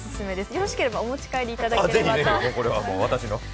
よろしければお持ち帰りいただければ。